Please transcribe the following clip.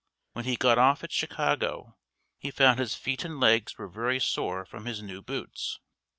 When he got off at Chicago he found his feet and legs were very sore from his new boots.